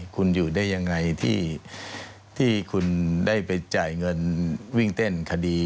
คุณอยู่ได้ยังไงที่คุณได้ไปจ่ายเงินวิ่งเต้นคดี